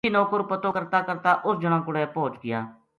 ویہ نوکر پتو کرتا کرتا اُس جنا کوڑے پوہچ گیا